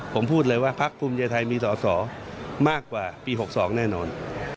ผมพูดเลยว่าพักภูมิใจไทยมีสอสอมากกว่าปี๖๒แน่นอน